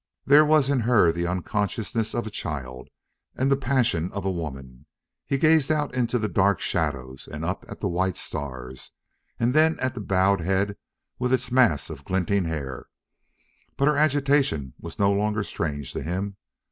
There was in her the unconsciousness of a child and the passion of a woman. He gazed out into the dark shadows and up at the white stars, and then at the bowed head with its mass of glinting hair. But her agitation was no longer strange to him.